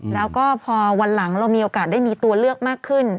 แล้วก็พอวันหลังเรามีโอกาสได้มีตัวเลือกมากขึ้น